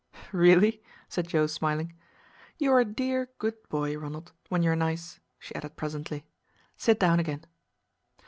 "Really?" said Joe smiling. "You are a dear good boy, Ronald, when you are nice," she added presently. "Sit down again."